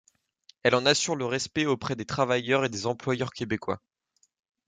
Elle en assure le respect auprès des travailleurs et des employeurs québécois.